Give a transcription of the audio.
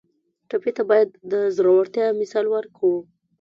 ټپي ته باید د زړورتیا مثال ورکړو.